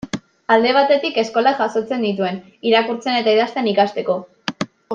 Alde batetik, eskolak jasotzen nituen, irakurtzen eta idazten ikasteko.